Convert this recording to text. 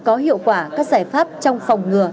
có hiệu quả các giải pháp trong phòng ngừa